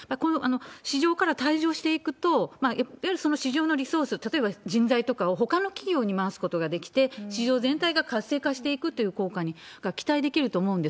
市場から退場していくと、いわゆるその市場のリソース、例えば人材とかをほかの企業に回すことができて、市場全体が活性化していくという効果が期待できると思うんです。